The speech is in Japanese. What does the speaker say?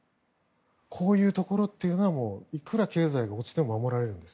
こういうところというのはいくら経済が落ちても守られるんです。